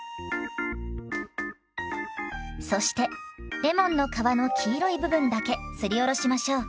そしてレモンの皮の黄色い部分だけすりおろしましょう。